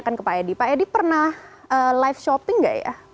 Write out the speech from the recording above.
pak edi pernah live shopping nggak ya